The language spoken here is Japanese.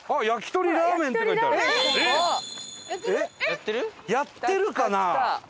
やってるかな？